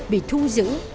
bị thu giữ